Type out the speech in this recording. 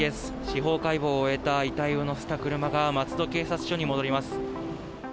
司法解剖を終えた遺体を乗せた車が、松戸警察署に戻ります。